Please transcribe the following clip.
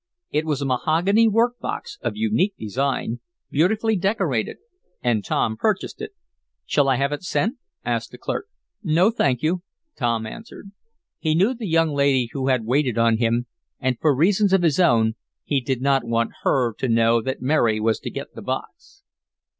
It was a mahogany work box, of unique design, beautifully decorated, and Tom purchased it. "Shall I have it sent?" asked the clerk. "No, thank you," Tom answered. He knew the young lady who had waited on him, and, for reasons of his own, he did not want her to know that Mary was to get the box.